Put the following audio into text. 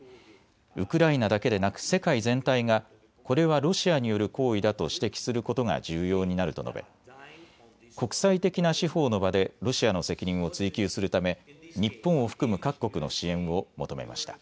ウクライナだけでなく世界全体がこれはロシアによる行為だと指摘することが重要になると述べ国際的な司法の場でロシアの責任を追及するため日本を含む各国の支援を求めました。